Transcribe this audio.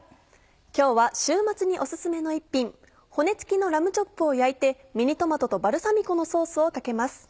今日は週末にお薦めの一品骨付きのラムチョップを焼いてミニトマトとバルサミコのソースをかけます。